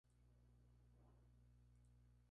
Narrado en tercera persona gramatical.